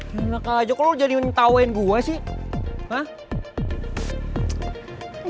gila kaya aja kok lo jadi menitauin gue sih